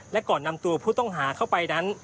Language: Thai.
และก่อนนำตัวผู้ต้องหาเข้าไปนั้น